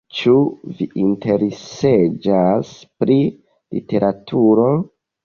Ĉu vi interesiĝas pri literaturo?